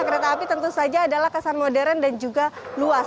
kereta api tentu saja adalah kesan modern dan juga luas